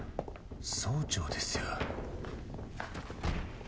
総長ですよ。